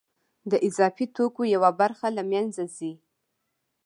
د اضافي توکو یوه برخه له منځه ځي